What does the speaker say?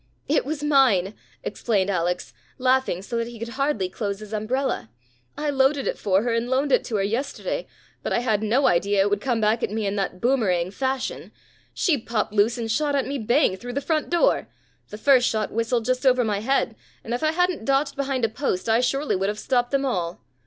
"It was mine," explained Alex, laughing so that he could hardly close his umbrella. "I loaded it for her and loaned it to her yesterday, but I had no idea it would come back at me in that boomerang fashion. She popped loose and shot at me bang through the front door. The first shot whistled just over my head, and if I hadn't dodged behind a post I surely would have stopped them all.